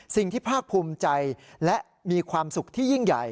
ภาคภูมิใจและมีความสุขที่ยิ่งใหญ่